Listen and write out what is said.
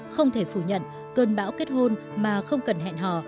không thể phủ nhận cơn bão kết hôn mà không cần hẹn hò